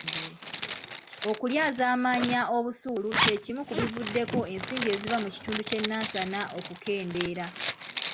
Okulyazaamaanya obusuulu kye kimu ku bivuddeko ensimbi eziva mu kitundu ky'e Nansana okukendeera.